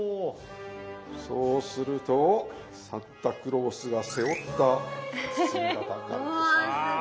そうするとサンタクロースが背負った包みがたになるんです。